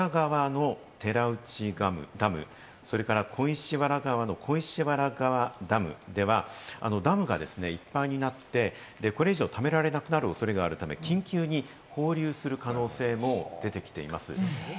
それから福岡県の佐賀江川の寺内ダム、それから小石原川の小石原川ダムではダムがいっぱいになって、これ以上、貯められなくなる恐れがあるため、緊急に放流する可能性も出てきています。